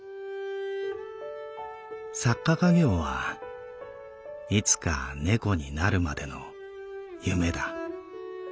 作家稼業はいつか猫になるまでの夢だ。